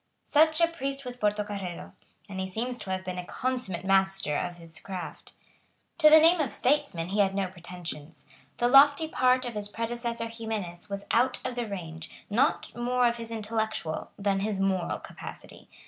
Such a priest was Portocarrero; and he seems to have been a consummate master of his craft. To the name of statesman he had no pretensions. The lofty part of his predecessor Ximenes was out of the range, not more of his intellectual, than his moral capacity.